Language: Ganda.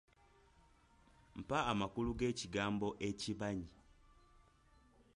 Mpa amakulu g’ekigambo ekibanyi